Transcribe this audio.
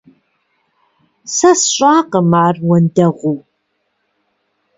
Сэ сщӀакъым ар уэндэгъуу.